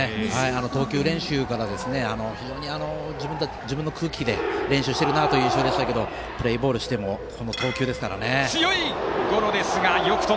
投球練習から非常に自分の空気で練習しているなという印象でしたがプレーボールしてもこの投球ですからね。